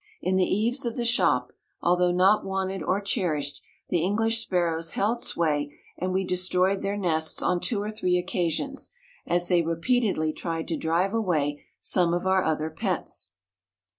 In the eaves of the shop (although not wanted or cherished) the English sparrows held sway and we destroyed their nests on two or three occasions, as they repeatedly tried to drive away some of our other pets.